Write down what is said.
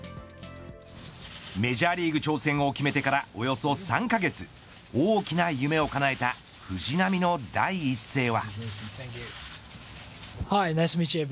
メジャーリーグ挑戦を決めてから、およそ３カ月大きな夢をかなえた藤浪の第一声は。